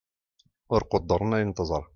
ur quddren ayen teẓṛa